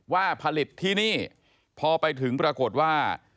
ว่าผลิตที่นี่พอไปถึงปรากฏว่า